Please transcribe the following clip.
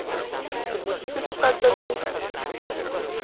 Ці будзеце шукаць далей?